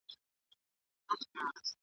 کله کله به هوا ته هم ختلې .